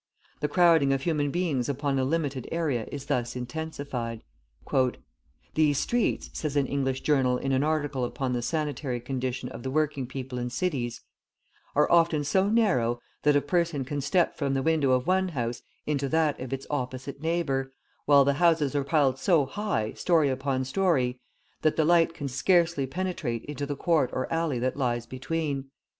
The crowding of human beings upon a limited area is thus intensified. {35b} "These streets," says an English journal in an article upon the sanitary condition of the working people in cities, "are often so narrow that a person can step from the window of one house into that of its opposite neighbour, while the houses are piled so high, storey upon storey, that the light can scarcely penetrate into the court or alley that lies between.